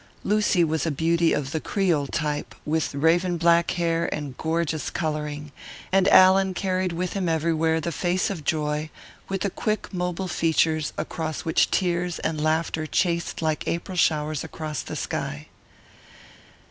Lucy was a beauty of the creole type, with raven black hair and gorgeous colouring; and Allan carried with him everywhere the face of joy, with the quick, mobile features across which tears and laughter chased like April showers across the sky.